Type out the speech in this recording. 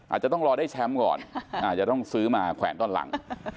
อาจจะต้องรอได้แชมป์ก่อนอาจจะต้องซื้อมาแขวนตอนหลัง